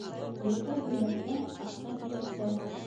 Йоҡо һимертә, аҡса тилертә.